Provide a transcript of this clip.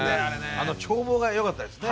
眺望がよかったですね。